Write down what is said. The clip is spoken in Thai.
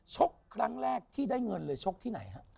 ชกครั้งแรกที่ได้เงินเลยชกที่ไหนฮะ